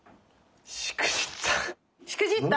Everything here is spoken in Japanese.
しくじった？